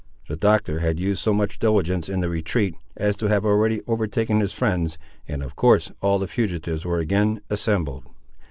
The Doctor had used so much diligence in the retreat, as to have already overtaken his friends, and of course all the fugitives were again assembled.